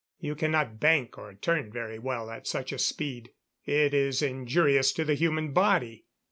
You cannot bank or turn very well at such a speed; it is injurious to the human body.